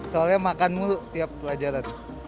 soalnya makan mulu tiap pelajaran